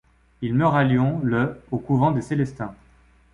Il meurt à Lyon le au couvent des Célestins.